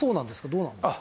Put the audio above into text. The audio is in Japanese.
どうなんですか？